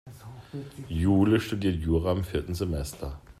Jule studiert Jura im vierten Semester.